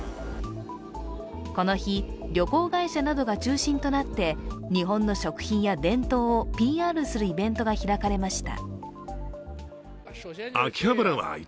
この日、旅行会社などが中心となって日本の食品や伝統をＰＲするイベントが開かれました。